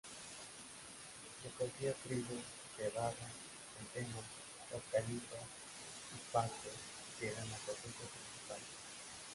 Se cogía trigo, cebada, centeno, hortalizas y pastos, que eran la cosecha principal.